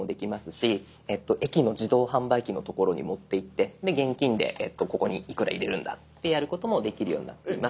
し駅の自動販売機のところに持っていって現金でここにいくら入れるんだってやることもできるようになっています。